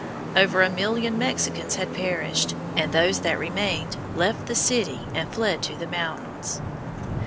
Over a million Mexicans had perished, and those that remained left the city and fled to the mountains.